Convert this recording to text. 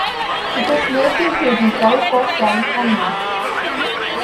It is native to the Gulf of California.